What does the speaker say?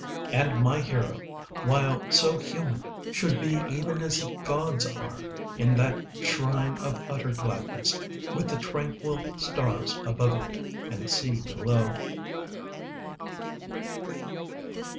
25 And my hero, while so human, Should be even as the gods are, In that shrine of utter gladness, With the tranquil stars above it And the sea below.